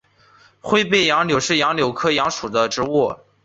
灰背杨是杨柳科杨属的植物。